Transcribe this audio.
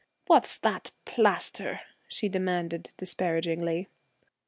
'What's that plaster?' she demanded, disparagingly.